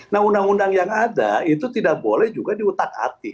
nah undang undang yang ada itu tidak boleh juga diutak atik